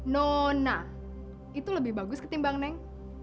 nona itu lebih bagus ketimbang neng